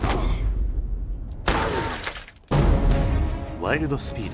「ワイルド・スピード」。